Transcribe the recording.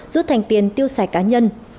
rút thành tiền tiêu xài cá nhân